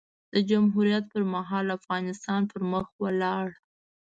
د جمهوریت پر مهال؛ افغانستان پر مخ ولاړ.